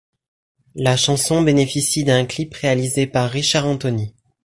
La chanson bénéficie d'un clip réalisé par Richard Anthony.